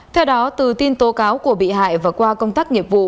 theo đó từ tin tố cáo của bị hại và qua công tác nghiệp vụ